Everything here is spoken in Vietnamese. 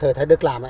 thời thái đức làm đấy